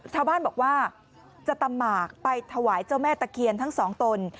ชาวบ้านบอกว่าจะตำหมากไปถวายเจ้าแม่ตะเคียนทั้งสองตน